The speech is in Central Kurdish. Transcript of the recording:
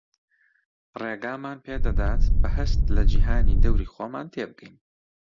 ڕێگامان پێدەدات بە هەست لە جیهانی دەوری خۆمان تێبگەین